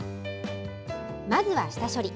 まずは下処理。